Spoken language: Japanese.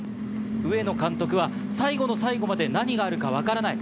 上野監督は、最後の最後まで何があるか分からない。